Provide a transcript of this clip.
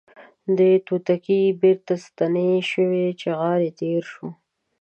توتکۍ بیرته ستنې شوې چغار تیر شو